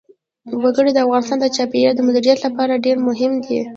وګړي د افغانستان د چاپیریال د مدیریت لپاره ډېر مهم دي.